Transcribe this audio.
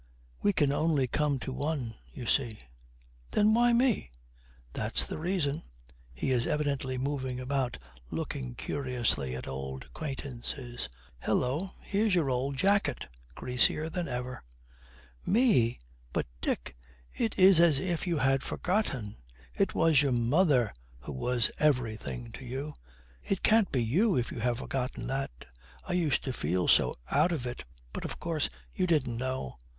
'We can only come to one, you see.' 'Then why me?' 'That's the reason.' He is evidently moving about, looking curiously at old acquaintances. 'Hello, here's your old jacket, greasier than ever!' 'Me? But, Dick, it is as if you had forgotten. It was your mother who was everything to you. It can't be you if you have forgotten that. I used to feel so out of it; but, of course, you didn't know.'